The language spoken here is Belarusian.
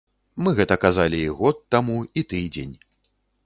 Мы гэта казалі і год таму, і тыдзень.